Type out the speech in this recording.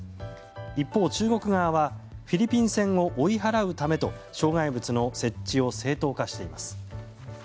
一方、中国側はフィリピン船を追い払うためと障害物の設置を正当化しています。